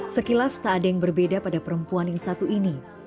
sekilas tak ada yang berbeda pada perempuan yang satu ini